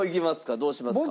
どうしますか？